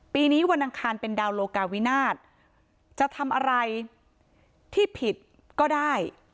ปีนี้วันอังคารเป็นดาวโลกาวินาศจะทำอะไรที่ผิดก็ได้